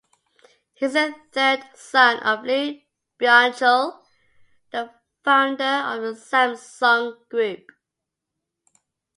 He is the third son of Lee Byung-chul, the founder of the Samsung group.